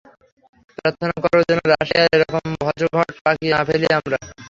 প্রার্থনা করো যেন রাশিয়ায় এরকম ভজঘট পাকিয়ে না ফেলি আমরা।